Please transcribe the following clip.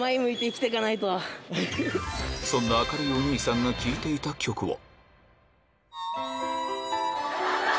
もう、そんな明るいお兄さんが聴いていた曲は。